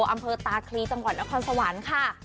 อำเภอตาคลีจังหวัดนครสวรรค์ค่ะ